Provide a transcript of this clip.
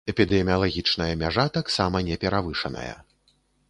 Эпідэміялагічная мяжа таксама не перавышаная.